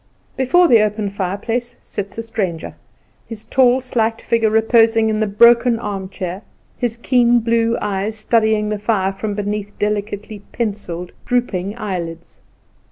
Before the open fireplace sits a stranger, his tall, slight figure reposing in the broken armchair, his keen blue eyes studying the fire from beneath delicately pencilled, drooping eyelids.